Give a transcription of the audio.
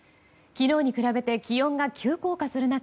昨日に比べて気温が急降下する中